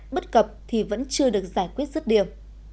bất cập thì vẫn chưa được giải quyết rứt điểm